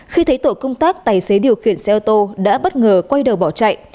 khi thấy tổ công tác tài xế điều khiển xe ô tô đã bất ngờ quay đầu bỏ chạy